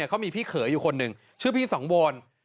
เขามีพี่เขยอยู่คนหนึ่งชื่อพี่สังวร